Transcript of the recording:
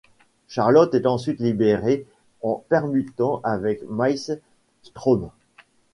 Charlotte est ensuite libérée en permutant avec Miles Straume.